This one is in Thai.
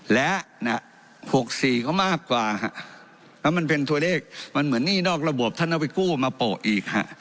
และ๖๔ก็มากกว่าแล้วมันเป็นตัวเลขมันเหมือนหนี้นอกระบบท่านเอาไปกู้มาโปะอีก